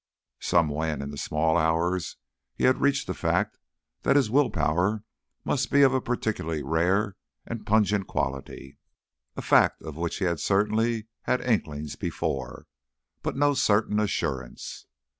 Somewhen in the small hours he had reached the fact that his will power must be of a particularly rare and pungent quality, a fact of which he had certainly had inklings before, but no certain assurance.